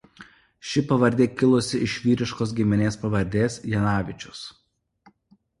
Ši pavardė kilusi iš vyriškos giminės pavardės Janavičius.